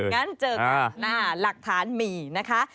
งั้นเจอกันหลักฐานมีนะคะ